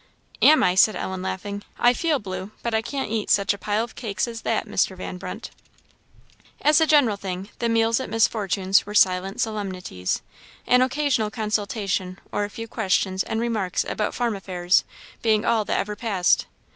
"Am I?" said Ellen, laughing; "I feel blue, but I can't eat such a pile of cakes as that, Mr. Van Brunt." As a general thing, the meals at Miss Fortune's were silent solemnities; an occasional consultation, or a few questions and remarks about farm affairs, being all that ever passed.